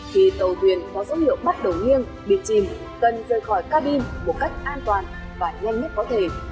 khi tàu thuyền có dấu hiệu bắt đầu nghiêng bị chìm cần rời khỏi cabin một cách an toàn và nhanh nhất có thể